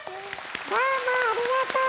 どうもありがとう！